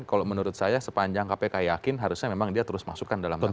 kalau menurut saya sepanjang kpk yakin harusnya memang dia terus masukkan dalam persidangan